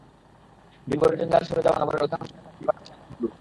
বিলবোর্ডের জঞ্জাল সরে যাওয়া নগরের অধিকাংশ এলাকা ফিরে পাচ্ছে নান্দনিক রূপ।